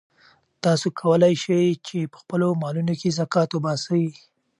تاسو کولای شئ چې په خپلو مالونو کې زکات وباسئ.